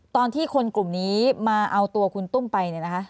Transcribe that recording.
ตอนที่คนกลุ่มนี้มาเอาตัวคุณตุ้มไปเนี่ยนะคะ